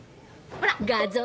ほら！